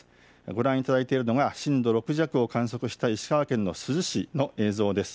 ご覧いただいているのが震度６弱を観測した石川県の珠洲市の映像です。